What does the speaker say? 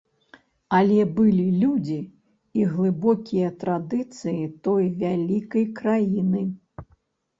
Але былі людзі і глыбокія традыцыі той вялікай краіны.